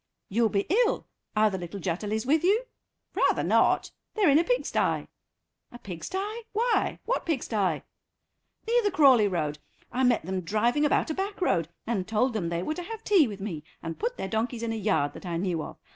"You'll be ill. Are the little Jutterlys with you?" "Rather not. They're in a pigstye." "A pigstye? Why? What pigstye?" "Near the Crawleigh Road. I met them driving about a back road, and told them they were to have tea with me, and put their donkeys in a yard that I knew of.